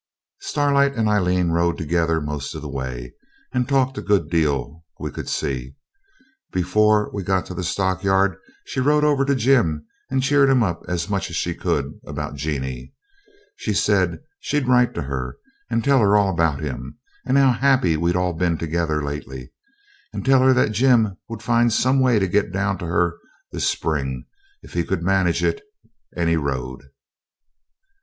Starlight and Aileen rode together most of the way, and talked a good deal, we could see. Before we got to the stockyard she rode over to Jim and cheered him up as much as she could about Jeanie. She said she'd write to her, and tell her all about him, and how happy we'd all been together lately; and tell her that Jim would find some way to get down to her this spring, if he could manage it any road.